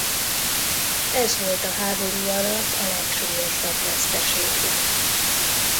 Ez volt a háború alatt a legsúlyosabb veszteségük.